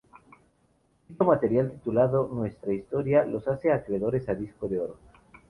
Dicho material titulado, "Nuestra Historia" los hace acreedores a Disco de Oro.